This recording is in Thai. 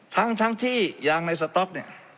ทั้งที่ยางในสต๊อกเนี่ย